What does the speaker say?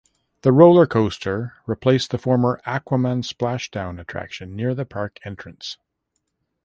The roller coaster replaced the former Aquaman Splashdown attraction near the park entrance.